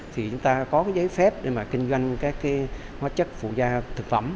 thì chúng ta có cái giấy phép để mà kinh doanh các cái hóa chất phụ gia thực phẩm